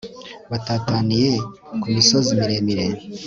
batataniye ku misozi miremire